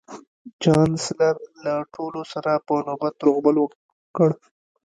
چانسلر له ټولو سره په نوبت روغبړ وکړ